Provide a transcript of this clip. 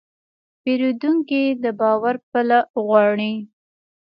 پیرودونکی د باور پله غواړي.